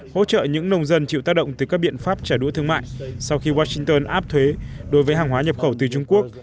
hỗ trợ những nông dân chịu tác động từ các biện pháp trả đũa thương mại sau khi washington áp thuế đối với hàng hóa nhập khẩu từ trung quốc